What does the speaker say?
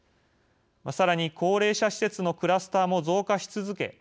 さらに高齢者施設のクラスターも増加し続け